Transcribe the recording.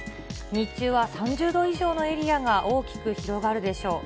日中は３０度以上のエリアが大きく広がるでしょう。